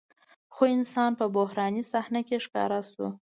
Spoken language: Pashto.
خو انسان په بحراني صحنه کې ښکاره شو.